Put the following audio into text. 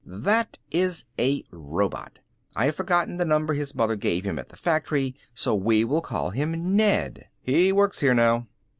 "That is a robot. I have forgotten the number his mother gave him at the factory so we will call him Ned. He works here now."